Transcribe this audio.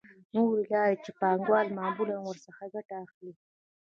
نورې لارې چې پانګوال معمولاً ورڅخه ګټه اخلي